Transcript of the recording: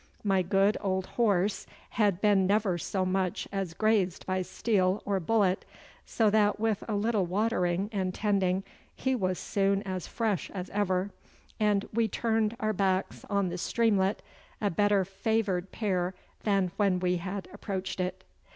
My good old horse had been never so much as grazed by steel or bullet, so that with a little watering and tending he was soon as fresh as ever, and we turned our backs on the streamlet a better favoured pair than we had approached it.